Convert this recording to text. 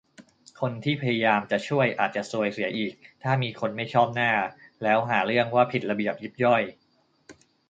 คนที่พยายามจะช่วยอาจจะซวยเสียอีก ถ้ามีคนไม่ชอบหน้าแล้วหาเรื่องว่าผิดระเบียบยิบย่อย